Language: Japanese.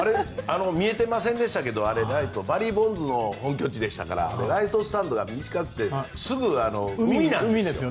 見えていませんでしたがバリー・ボンズの本拠地でしたからライトスタンドが短くてすぐ海なんですよ。